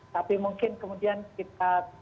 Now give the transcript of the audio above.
tapi mungkin kemudian kita